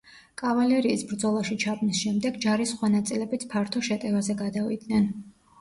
კავალერიის ბრძოლაში ჩაბმის შემდეგ ჯარის სხვა ნაწილებიც ფართო შეტევაზე გადავიდნენ.